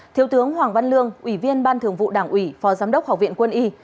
thiếu tướng hoàng văn lương ủy viên ban thường vụ đảng ủy phó giám đốc học viện quân y